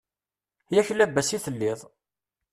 Yak labas i tettiliḍ!